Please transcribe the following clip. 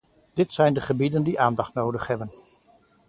Dit zijn de gebieden die aandacht nodig hebben.